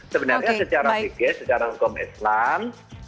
sebenarnya secara fikir secara hukum islam